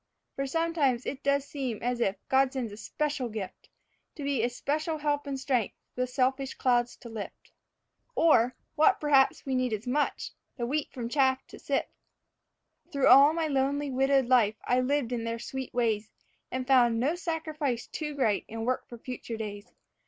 For sometimes it does seem as if God sends a special gift, To be a special help and strength, the selfish clouds to lift, Or what, perhaps, we need as much the wheat from chaff to sift. Through all my lonely, widowed life I lived in their sweet ways, And found no sacrifice too great in work for future days.